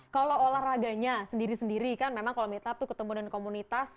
kalau olahraganya sendiri sendiri kan memang kalau meet up tuh ketemu dengan komunitas